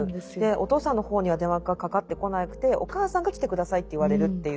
お父さんの方には電話がかかってこなくてお母さんが来て下さいって言われるっていう。